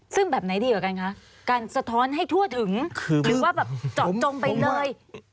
ซึ่งแบบไหนดีกว่ากันคะการสะท้อนให้ทั่วถึงหรือว่าแบบเจาะจงไปเลย